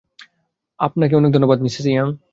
আপনাকে অনেক ধন্যবাদ, মিসেস ইয়াং।